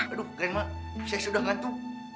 aduh green ma saya sudah ngantuk